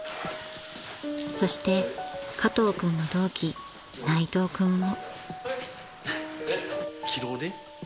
［そして加藤君の同期内藤君も］